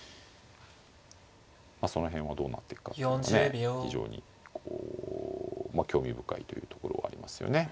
その辺はどうなっていくかっていうのはね非常にこう興味深いというところありますよね。